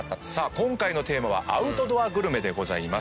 今回のテーマはアウトドアグルメでございます。